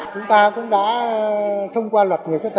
chúng ta cũng đã thông qua luật